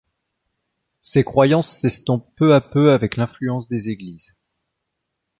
Ces croyances s'estompent peu à peu avec l'influence des Églises.